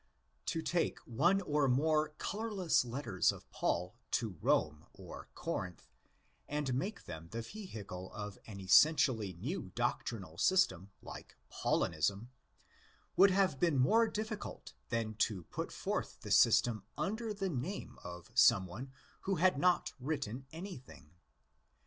To take one or more colourless letters of Paul to Rome or Corinth, and make them the vehicle of an essentially new doctrinal system like '¢Paulinism,'" would have been more difficult than to put forth the system under the name of some one who had not written anything.